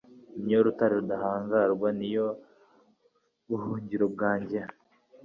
ni yo rutare rudahangarwa, ni yo buhungiro bwanjye